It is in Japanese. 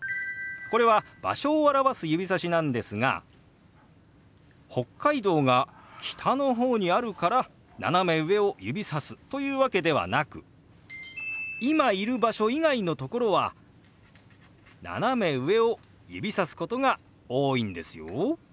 これは場所を表す指さしなんですが北海道が北の方にあるから斜め上を指さすというわけではなく今いる場所以外の所は斜め上を指さすことが多いんですよ。